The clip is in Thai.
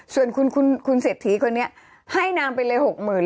ส่วนคุณเสถียร์คนนี้ให้นางไปเลยหกหมื่น